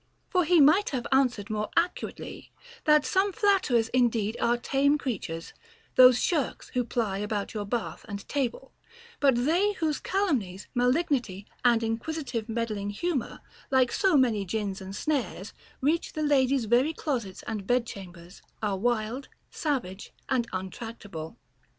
For he might have answered more accurately, that some flatterers indeed are tame creatures, those shirks who ply about your bath and your table ; bat they whose calum nies, malignity, and inquisitive meddling humor, like so many gins and snares, reach the ladies' very closets and bed chambers, are wild, savage, and untractable.